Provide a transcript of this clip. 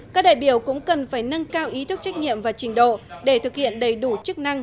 các đại biểu cũng cần phải nâng cao ý thức trách nhiệm và trình độ để thực hiện đầy đủ chức năng